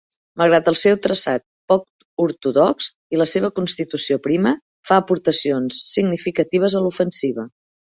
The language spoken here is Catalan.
Malgrat el seu traçat poc ortodox i la seva constitució prima, fa aportacions significatives a l'ofensiva.